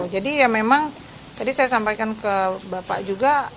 jadi ya memang tadi saya sampaikan ke bapak juga